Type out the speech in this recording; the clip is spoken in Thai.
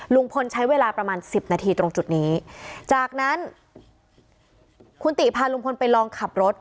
ลุงพลใช้เวลาประมาณสิบนาทีตรงจุดนี้จากนั้นคุณติพาลุงพลไปลองขับรถ